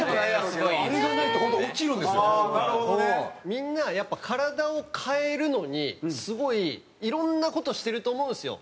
みんなやっぱ体を変えるのにすごいいろんな事してると思うんですよ。